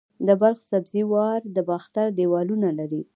د بلخ سبزې وار د باختر دیوالونه لري